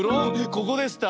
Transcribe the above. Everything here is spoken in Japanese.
ここでした。